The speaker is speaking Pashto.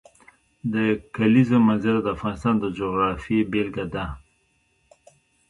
د کلیزو منظره د افغانستان د جغرافیې بېلګه ده.